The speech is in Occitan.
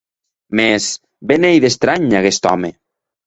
Mès, be n’ei d’estranh aguest òme!